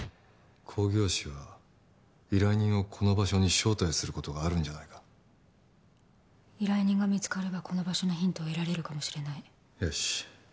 興行師は依頼人をこの場所に招待することがあるんじゃないか依頼人が見つかればこの場所のヒントを得られるかもしれないよし